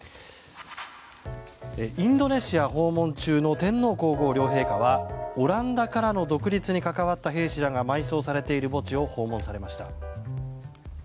インドネシア訪問中の天皇・皇后両陛下はオランダからの独立に関わった兵士らが埋葬されている墓地を訪問されました。